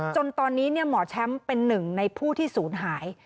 จนตอนนี้หมอแชมป์เป็นหนึ่งในผู้ที่ศูนย์หาย